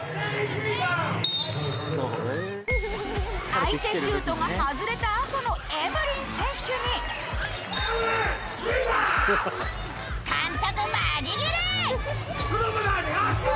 相手シュートが外れたあとのエブリン選手に監督マジギレ！